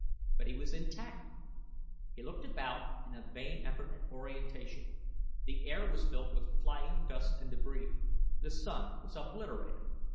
But he was intact. He looked about him in a vain effort at orientation. The air was filled with flying dust and debris. The Sun was obliterated.